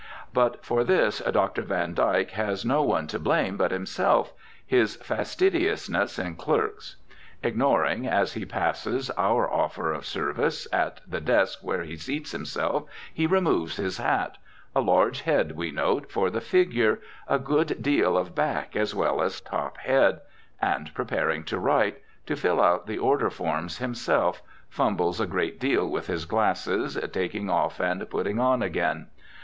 But for this Dr. van Dyke has no one to blame but himself, his fastidiousness in clerks. Ignoring, as he passes, our offer of service, at the desk where he seats himself he removes his hat a large head, we note, for the figure, a good deal of back as well as top head and, preparing to write, to fill out the order forms himself, fumbles a great deal with his glasses, taking off and putting on again.